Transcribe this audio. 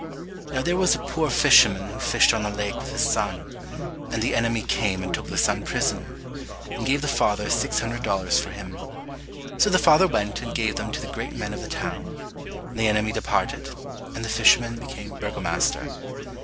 Now there was a poor fisherman who fished on the lake with his son, and the enemy came and took the son prisoner, and gave the father six hundred dollars for him. So the father went and gave them to the great men of the town, and the enemy departed, and the fisherman became burgomaster.